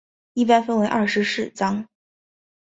一般分为二十四章。